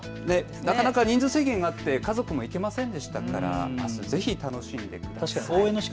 なかなか人数制限があって家族も行けませんでしたがぜひ楽しんでください。